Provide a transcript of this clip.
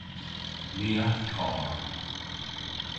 Ni a'th kar.